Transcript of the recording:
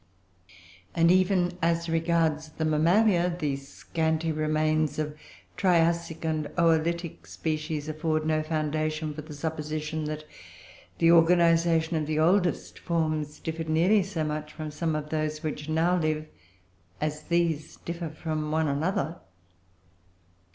And even as regards the Mammalia, the scanty remains of Triassic and Oolitic species afford no foundation for the supposition that the organisation of the oldest forms differed nearly so much from some of those which now live as these differ from one another.